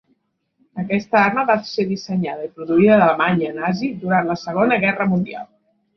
Aquesta arma va ser dissenyada i produïda a l'Alemanya nazi durant la Segona Guerra Mundial.